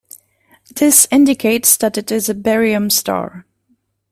This indicates that it is a Barium star.